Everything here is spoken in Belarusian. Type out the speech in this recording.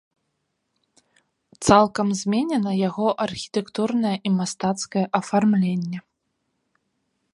Цалкам зменена яго архітэктурнае і мастацкае афармленне.